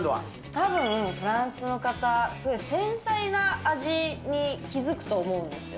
たぶん、フランスの方、すごい繊細な味に気付くと思うんですよ。